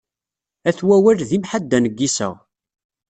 At Wawal d imḥaddan n yiseɣ.